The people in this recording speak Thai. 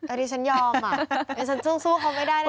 อันนี้ฉันยอมอ่ะดิฉันสู้เขาไม่ได้เลย